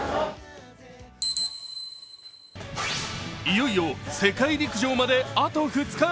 いよいよ世界陸上まであと２日。